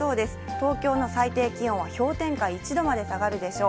東京の最低気温は氷点下１度まで下がるでしょう。